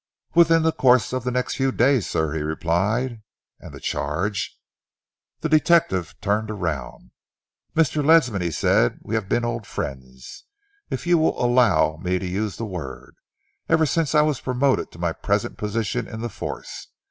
"Within the course of the next few days, sir," he replied. "And the charge?" The detective turned around. "Mr. Ledsam," he said, "we have been old friends, if you will allow me to use the word, ever since I was promoted to my present position in the Force.